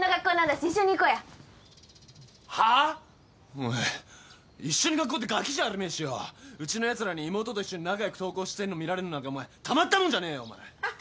お前一緒に学校ってがきじゃあるめえしようちのやつらに妹と一緒に仲良く登校してんの見られるのなんかお前たまったもんじゃねえよお前！